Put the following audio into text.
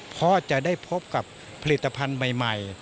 เพราะจะได้พบกับผลิตภัณฑ์ใหม่